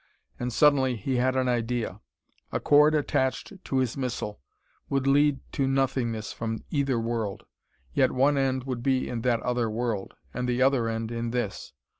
And suddenly he had an idea. A cord attached to his missile would lead to nothingness from either world, yet one end would be in that other world, and the other end in this.